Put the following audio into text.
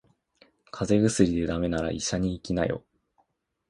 風邪薬で駄目なら医者に行きなよ。